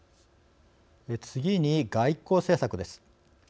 次に外交政策です。